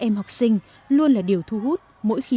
mới vừa kéo